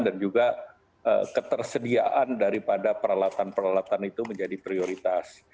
juga ketersediaan daripada peralatan peralatan itu menjadi prioritas